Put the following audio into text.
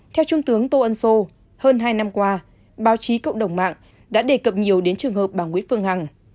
theo trung tướng tô ân sô hơn hai năm qua báo chí cộng đồng mạng đã đề cập nhiều đến trường hợp bà nguyễn phương hằng